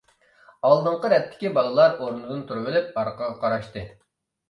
ئالدىنقى رەتتىكى بالىلار ئورنىدىن تۇرۇۋېلىپ ئارقىغا قاراشتى.